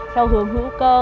theo hướng hữu cơ